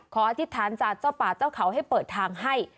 อธิษฐานจากเจ้าป่าเจ้าเขาให้เปิดทางให้